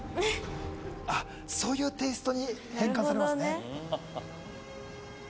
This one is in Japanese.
そういうテイストに変換するんですね。